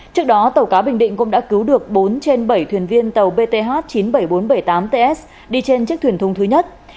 trước đó tàu cá bình định cũng đã cứu được bốn trên bảy thuyền viên tàu bth chín mươi bảy nghìn bốn trăm bảy mươi tám ts đi trên chiếc thuyền thúng thứ nhất